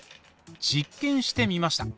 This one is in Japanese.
実験してみました。